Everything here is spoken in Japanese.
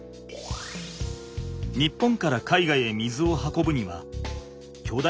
日本から海外へ水を運ぶにはきょだ